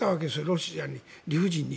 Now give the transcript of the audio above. ロシアに理不尽に。